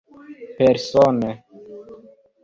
persone